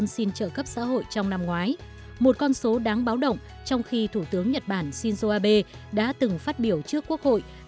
xin chào và hẹn gặp lại